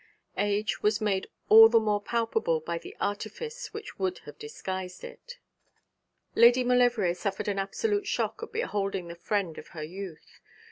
Age was made all the more palpable by the artifice which would have disguised it. Lady Maulevrier suffered an absolute shock at beholding the friend of her youth.